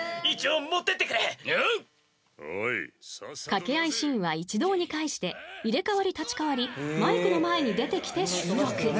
［掛け合いシーンは一堂に会して入れ代わり立ち代わりマイクの前に出てきて収録］